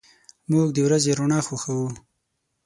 موږ د ورځې رڼا خوښو.